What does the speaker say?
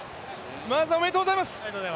まずはおめでとうございます。